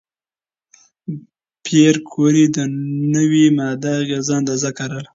پېیر کوري د نوې ماده اغېزې اندازه کړه.